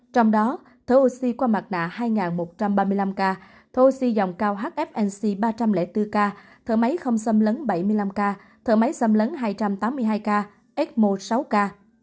trong đó thở oxy qua mặt nạ hai một trăm ba mươi năm ca thô siêu dòng cao hfnc ba trăm linh bốn ca thở máy không xâm lấn bảy mươi năm ca thở máy xâm lấn hai trăm tám mươi hai ca eo sáu k